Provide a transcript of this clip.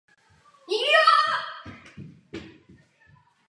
Proslul především filmovou hudbou.